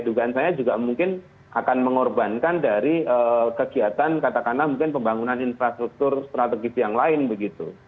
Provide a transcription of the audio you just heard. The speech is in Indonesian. dugaan saya juga mungkin akan mengorbankan dari kegiatan katakanlah mungkin pembangunan infrastruktur strategis yang lain begitu